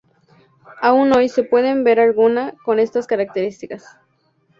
Aun hoy se pueden ver alguna con estas características.